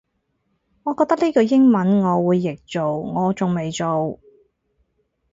我覺得呢句英文我會譯做我仲未做